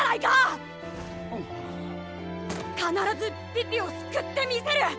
必ずピピを救ってみせる！